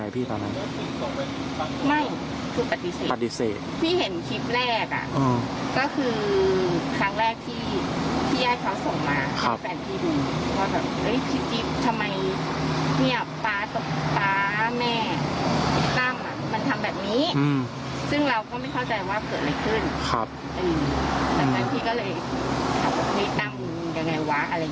แล้วก็ก็เลยใจแต่มีการว่าไม่เอาใจว่าช่องโปรด